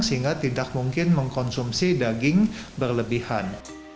sehingga tidak mungkin mengkonsumsi daging berlebihan